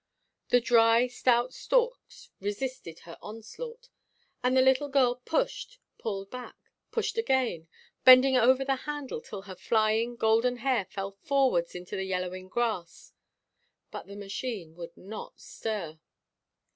The dry, stout stalks resisted her onslaught, and the little girl pushed, pulled back, pushed again, bending over the handle till her flying, golden hair fell forward into the yellowing grass, but the machine would not stir.